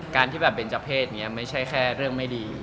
การที่แบบเบนเจ้าเพศไม่ใช่แค่เรื่องไม่ดี